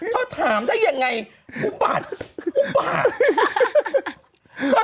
เธอถามได้ยังไงปุ๊บบาดปุ๊บบาด